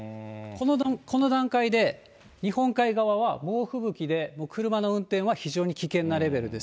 この段階で日本海側は猛吹雪で、車の運転は非常に危険なレベルです。